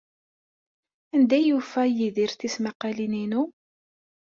Anda ay yufa Yidir tismaqqalin-inu?